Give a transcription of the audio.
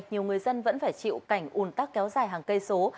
nhiều người dân vẫn phải chịu cảnh un tắc kéo dài hàng cây số